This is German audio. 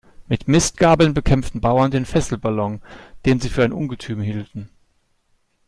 Mit Mistgabeln bekämpften Bauern den Fesselballon, den Sie für ein Ungetüm hielten.